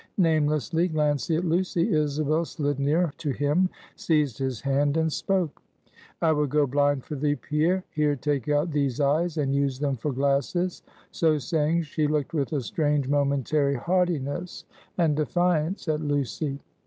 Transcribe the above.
Namelessly glancing at Lucy, Isabel slid near to him, seized his hand and spoke. "I would go blind for thee, Pierre; here, take out these eyes, and use them for glasses." So saying, she looked with a strange momentary haughtiness and defiance at Lucy.